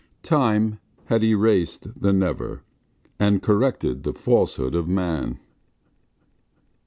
Time had erased the never, and corrected the falsehood of man.